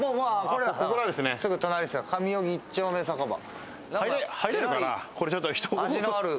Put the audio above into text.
すぐ隣ですよ、上荻一丁目酒場。